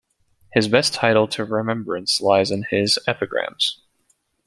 His best title to remembrance lies in his epigrams.